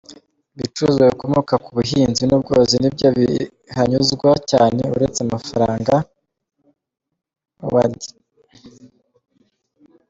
Ibicuruzwa bikomoka ku buhinzi n’ubworozi nibyo bihanyuzwa cyane, uretse mafaranga Howard G.